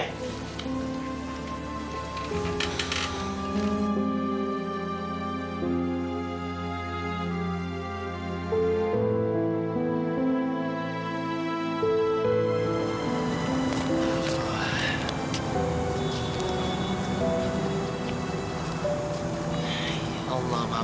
ya allah mama